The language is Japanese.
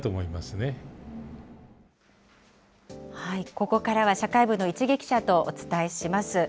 ここからは社会部の市毛記者とお伝えします。